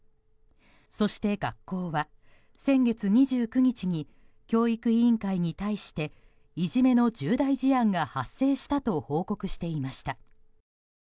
そして学校は、先月２９日に教育委員会に対していじめの重大事案が発生したと報告していました。